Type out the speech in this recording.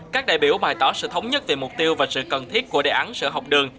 các đại biểu bày tỏ sự thống nhất về mục tiêu và sự cần thiết của đề án sữa học đường